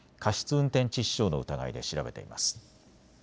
運転致死傷の疑いで調べています。